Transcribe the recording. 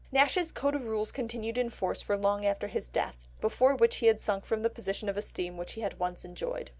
Nash's code of rules continued in force for long after his death, before which he had sunk from the position of esteem which he had once enjoyed.